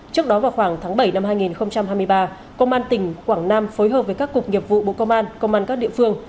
trước đó vào khoảng tháng bảy năm hai nghìn hai mươi ba công an tỉnh quảng nam phối hợp với các cục nghiệp vụ bộ công an công an các địa phương